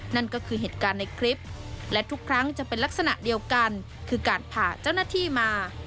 นั่นก็คือเหตุการณ์ในคลิปและทุกครั้งจะเป็นลักษณะเดียวกันคือการผ่าเจ้าหน้าที่มา